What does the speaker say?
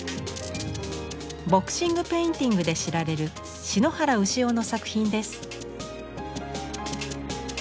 ボクシング・ペインティングで知られる篠原有司男の作品です。